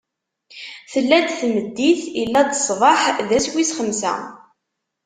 Tella-d tmeddit, illa-d ṣṣbeḥ: d ass wis xemsa.